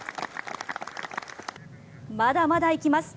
まだまだ行きます。